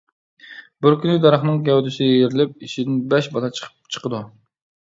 بىر كۈنى دەرەخنىڭ گەۋدىسى يېرىلىپ، ئىچىدىن بەش بالا چىقىدۇ.